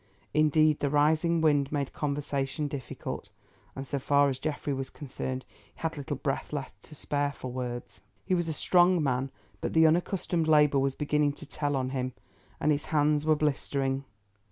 Indeed the rising wind made conversation difficult, and so far as Geoffrey was concerned he had little breath left to spare for words. He was a strong man, but the unaccustomed labour was beginning to tell on him, and his hands were blistering.